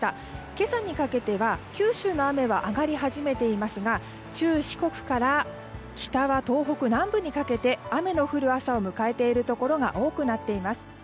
今朝にかけては、九州の雨は上がり始めていますが中四国から北は東北南部にかけて雨の降る朝を迎えているところが多くなっています。